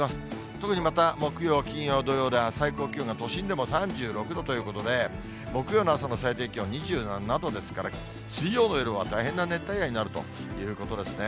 特にまた、木曜、金曜、土曜で、最高気温が都心でも３６度ということで、木曜の朝の最低気温２７度ですから、水曜の夜は大変な熱帯夜になるということですね。